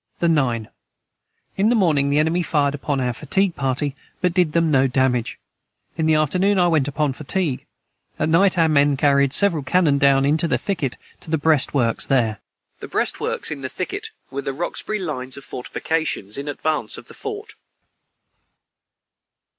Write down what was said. the 9. In the morning the enemy fired upon our fatigue party but did them no Damage in the afternoon I went upon fatigue at night our men caried Several canon down into the thicket to the brest works their. [Footnote 155: The breastworks in the thicket were the Roxbury lines of fortifications in advance of the fort.